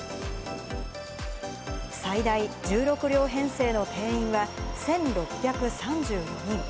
最大１６両編成の定員は１６３４人。